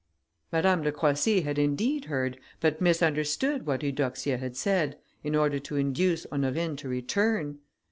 Madame de Croissy had indeed heard, but misunderstood what Eudoxia had said, in order to induce Honorine to return.